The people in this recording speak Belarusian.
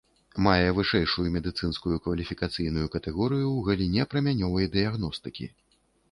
Мае вышэйшую медыцынскую кваліфікацыйную катэгорыю ў галіне прамянёвай дыягностыкі.